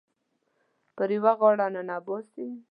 په یوه غار ننه باسي